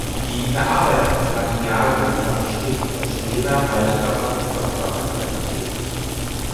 Die verarbeiteten Materialien waren stets von schwerer, haltbarer und kostbarer Qualität.